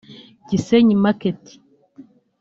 Gisenyi market